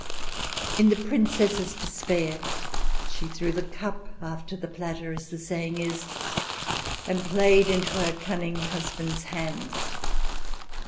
In the Princess's despair, she threw the cup after the platter, as the saying is, and played into her cunning husband's hands.